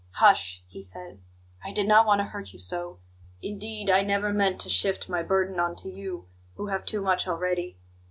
"Hush!" he said. "I did not want to hurt you so. Indeed, I never meant to shift my burden on to you, who have too much already.